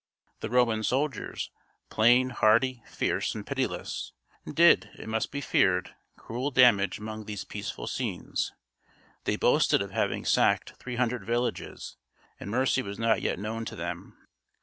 The Roman soldiers, plain, hardy, fierce, and pitiless, did, it must be feared, cruel damage among these peaceful scenes; they boasted of having sacked 300 villages, and mercy was not yet known to them.